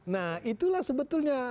nah itulah sebetulnya